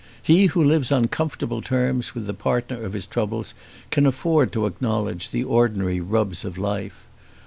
He who lives on comfortable terms with the partner of his troubles can afford to acknowledge the ordinary rubs of life.